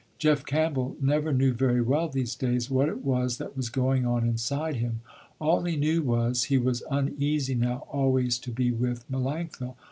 Jeff Campbell never knew very well these days what it was that was going on inside him. All he knew was, he was uneasy now always to be with Melanctha.